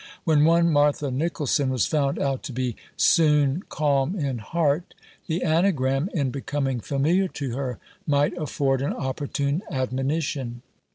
When one Martha Nicholson was found out to be Soon calm in Heart, the anagram, in becoming familiar to her, might afford an opportune admonition.